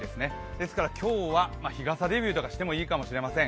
ですから今日は日傘デビューとかしてもいいかもしれません。